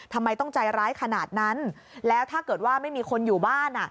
ทำไมต้องใจร้ายขนาดนั้นแล้วถ้าเกิดว่าไม่มีคนอยู่บ้านอ่ะ